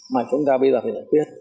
mà chúng ta bây giờ phải giải quyết